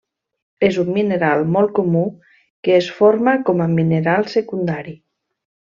És un mineral molt comú que es forma com a mineral secundari.